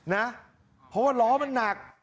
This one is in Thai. นะเพราะว่าล้อมันหนัก